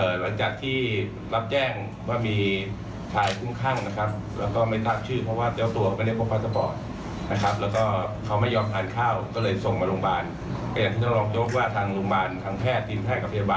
เอ่อหลังจากที่รับแจ้งว่ามีภายกลุ่มครั้งนะครับ